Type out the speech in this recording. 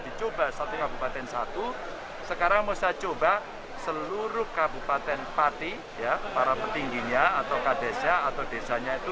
itu sekarang mau saya coba seluruh kabupaten pati ya para petingginya atau kadesa atau desanya itu